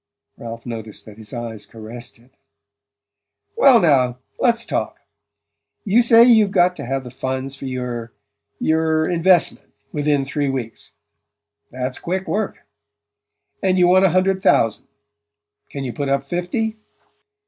Ralph noticed that his eyes caressed it. "Well now let's talk. You say you've got to have the funds for your your investment within three weeks. That's quick work. And you want a hundred thousand. Can you put up fifty?"